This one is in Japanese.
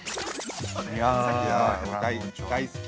◆大好き。